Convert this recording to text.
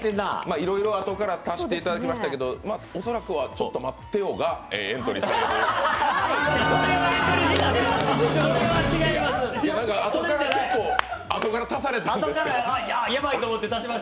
いろいろあとから足していただきましたけど恐らくは、ちょっと待ってよがエントリーされたと思います。